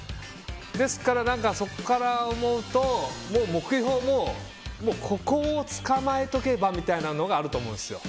ですからそこから思うと目標もここをつかまえておけばみたいなことがあると思うんですよ。